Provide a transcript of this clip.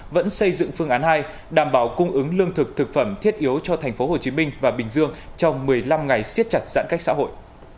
vẫn xây dựng phương án hai đảm bảo cung ứng lương thực thực phẩm thiết yếu cho tp hcm và bình dương trong một mươi năm ngày siết chặt giãn cách xã hội